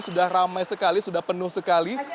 sudah ramai sekali sudah penuh sekali